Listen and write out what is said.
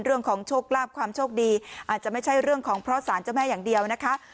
เรื่องของโชคลาภความโชคดีอาจจะไม่ใช่เรื่องของเพราะสารเจ้าแม่อย่างเดียวนะคะ